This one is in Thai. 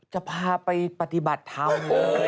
จะพาไปปฏิบัติธรรม